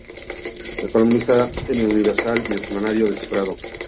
Es columnista en "El Universal" y del semanario "Descifrado".